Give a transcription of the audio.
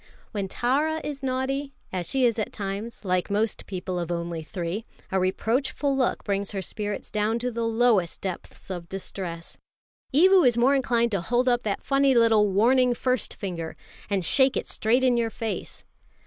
When Tara is naughty, as she is at times, like most people of only three, a reproachful look brings her spirits down to the lowest depths of distress. Evu is more inclined to hold up that funny little warning first finger, and shake it straight in your face.